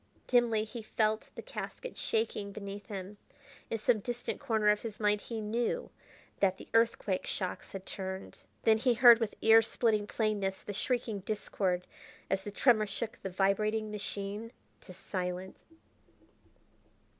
Dimly he felt the casket shaking beneath him. In some distant corner of his mind he knew that the earthquake shocks had turned. Then he heard with ear splitting plainness the shrieking discord as the tremor shook the vibrating machine to silence.